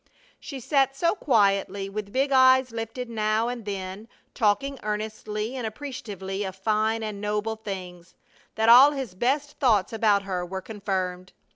She sat so quietly, with big eyes lifted now and then, talking earnestly and appreciatively of fine and noble things, that all his best thoughts about her were confirmed.